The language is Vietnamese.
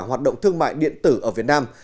hoạt động thương mại điện tử ở việt nam